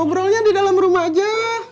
ngobrolnya di dalam rumah aja